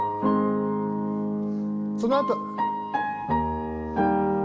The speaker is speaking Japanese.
そのあと。